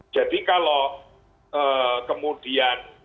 jadi kalau kemudian